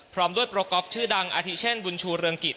พร้อมด้วยโปรกอล์ฟชื่อดังอาทิเช่นบุญชูเรืองกิจ